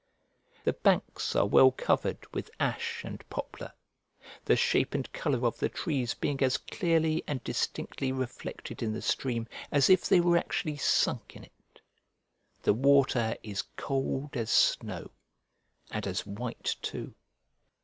The banks are well covered with ash and poplar, the shape and colour of the trees being as clearly and distinctly reflected in the stream as if they were actually sunk in it. The water is cold as snow, and as white too.